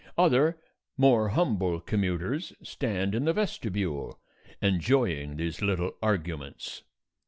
Other more humble commuters stand in the vestibule, enjoying these little arguments.